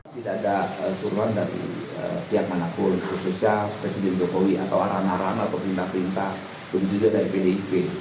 tidak ada curuan dari pihak manapun khususnya presiden jokowi atau aran aran atau pindah pindah pun juga dari pdp